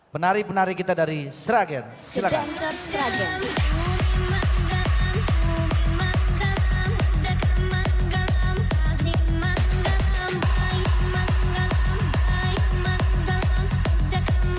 penari penari kita dari sera geng